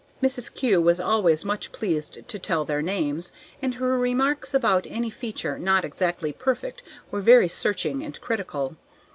Mrs. Kew was always much pleased to tell their names, and her remarks about any feature not exactly perfect were very searching and critical.